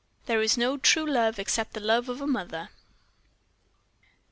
THERE IS NO TRUE LOVE EXCEPT THE LOVE OF A MOTHER.